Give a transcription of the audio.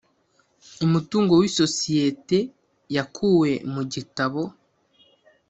umutungo w isosiyete yakuwe mu gitabo